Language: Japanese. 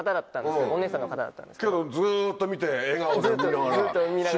けどずっと見て笑顔で見ながら。